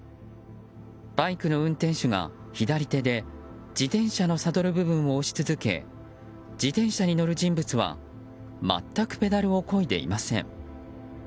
バイクの運転手が左手で自転車のサドル部分を押し続け、自転車に乗る人物は全くペダルをこいでいません。